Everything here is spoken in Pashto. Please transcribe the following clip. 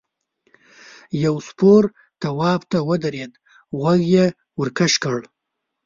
یو سپور تواب ته ودرېد غوږ یې ورکش کړ.